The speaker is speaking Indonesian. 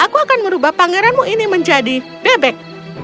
aku akan merubah pangeranmu ini menjadi bebek